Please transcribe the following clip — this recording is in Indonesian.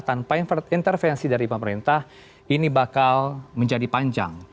tanpa intervensi dari pemerintah ini bakal menjadi panjang